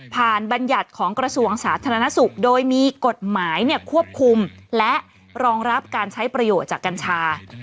บรรยัติของกระทรวงสาธารณสุขโดยมีกฎหมายควบคุมและรองรับการใช้ประโยชน์จากกัญชา